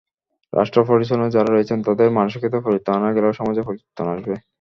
রাষ্ট্র পরিচালনায় যাঁরা রয়েছেন, তাঁদের মানসিকতায় পরিবর্তন আনা গেলে সমাজেও পরিবর্তন আসবে।